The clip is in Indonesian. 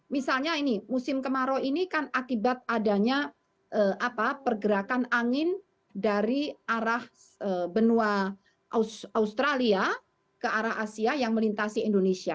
misalnya ini musim kemarau ini kan akibat adanya pergerakan angin dari arah benua australia ke arah asia yang melintasi indonesia